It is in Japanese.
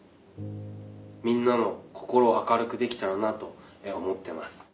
みんなの心を明るくできたらなと思ってます。